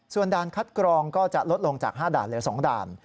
ส่วนด่านคัดกรองก็จะลดลงจาก๕ด่านเหลือ๒ด่าน